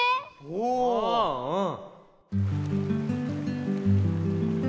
おおうん。